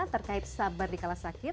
terkait sabar di kala sakit